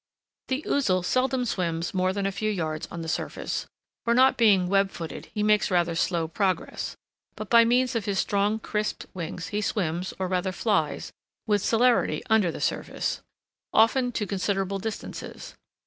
The Ouzel seldom swims more than a few yards on the surface, for, not being web footed, he makes rather slow progress, but by means of his strong, crisp wings he swims, or rather flies, with celerity under the surface, often to considerable distances.